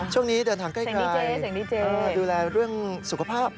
ช่วงนี้เดินทางใกล้ดีเจดูแลเรื่องสุขภาพ